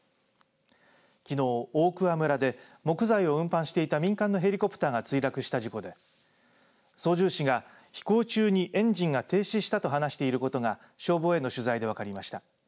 きのう、大桑村で木材を運搬していた民間のヘリコプターが墜落した事故で操縦士が飛行中にエンジンが停止したと話していることが消防への取材で分かりました。